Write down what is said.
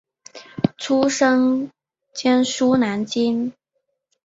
生于江苏南京。